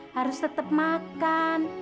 harus tetep makan